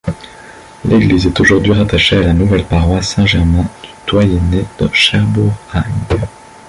L'église est aujourd'hui rattachée à la nouvelle paroisse Saint-Germain du doyenné de Cherbourg-Hague.